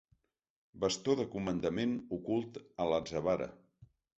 Bastó de comandament ocult a l'atzavara.